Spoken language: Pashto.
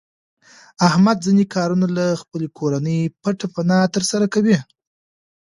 احمد ځنې کارونه له خپلې کورنۍ پټ پناه تر سره کوي.